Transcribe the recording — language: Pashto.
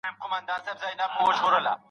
ایا ته د قلمي نسخو په لوستلو کي مهارت لري؟